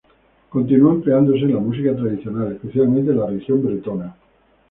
Continuó empleándose en la música tradicional, especialmente en la región bretona.